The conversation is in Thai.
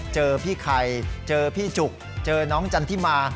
เจอพี่ไข่เจอพี่จุกเจอน้องจันทิมา